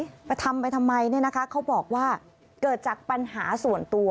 ไปทำไปทำไมเนี่ยนะคะเขาบอกว่าเกิดจากปัญหาส่วนตัว